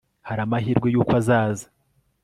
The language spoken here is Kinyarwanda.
Hari amahirwe yuko azaza